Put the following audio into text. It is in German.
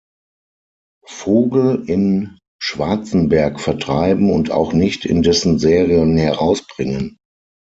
Vogel in Schwarzenberg vertreiben und auch nicht in dessen Serien herausbringen.